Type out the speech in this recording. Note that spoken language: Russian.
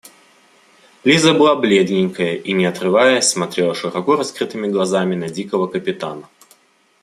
Лиза была бледненькая и, не отрываясь, смотрела широко раскрытыми глазами на дикого капитана.